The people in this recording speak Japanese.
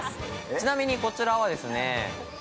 ちなみにこちらはですね。